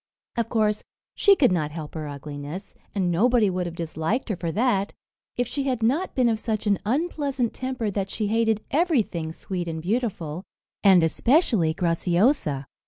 Of course she could not help her ugliness, and nobody would have disliked her for that, if she had not been of such an unpleasant temper that she hated everything sweet and beautiful, and especially Graciosa.